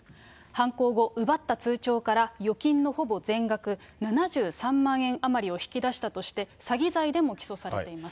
犯行後、奪った通帳から預金のほぼ全額７３万円余りを引き出したとして、詐欺罪でも起訴されています。